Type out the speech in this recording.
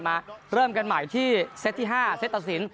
มาเริ่มกันใหม่ที่เซตที่๕เซตตัดสิน